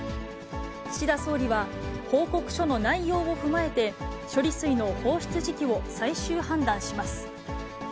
岸田総理は、報告書の内容を踏まえて、処理水の放出時期を最終判断します。